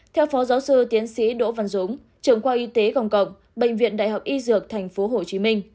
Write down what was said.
theo phó giáo sư tiến sĩ đỗ văn dũng trưởng khoa y tế công cộng bệnh viện đại học y dược tp hcm